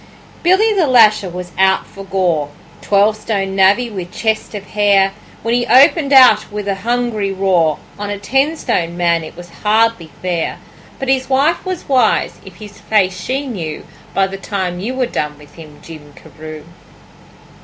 Billy the Lasher was out for gore Twelve stone navvy with chest of hair, When he opened out with a hungry roar On a ten stone man it was hardly fair; But his wife was wise if his face she knew By the time you were done with him, Jim Carew.